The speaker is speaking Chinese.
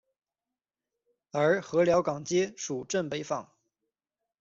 而禾寮港街属镇北坊。